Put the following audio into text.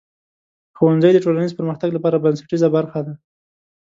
ښوونځی د ټولنیز پرمختګ لپاره بنسټیزه برخه ده.